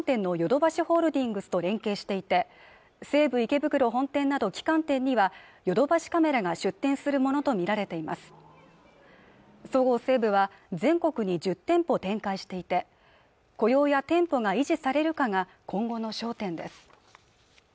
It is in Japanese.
投資ファンドは家電量販店のヨドバシホールディングスと連携していて西武池袋本店など旗艦店にはヨドバシカメラが出店するものと見られていますそごう・西武は全国２０店舗を展開していて雇用や店舗が維持されるかが今後の焦点です